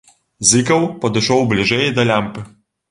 Зыкаў падышоў бліжэй да лямпы.